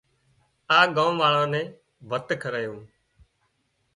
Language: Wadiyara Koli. هانَ ڳام واۯان نين ڀت کارايُون